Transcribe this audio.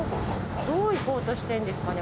どう行こうとしてんですかね？